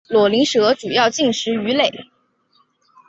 瘰鳞蛇主要进食鱼类。